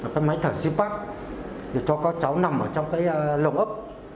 cái máy thở xí bắp rồi cho các cháu nằm trong cái lồng ấp